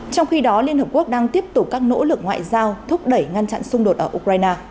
trong khi đó liên hợp quốc đang tiếp tục các nỗ lực ngoại giao thúc đẩy ngăn chặn xung đột ở ukraine